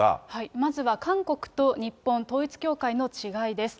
まずは韓国と日本、統一教会の違いです。